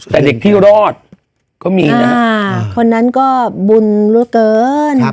แต่เด็กที่รอดก็มีนะฮะคนนั้นก็บุญเหลือเกิน